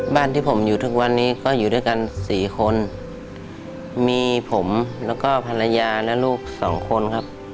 ที่ผมอยู่ทุกวันนี้ก็อยู่ด้วยกันสี่คนมีผมแล้วก็ภรรยาและลูกสองคนครับ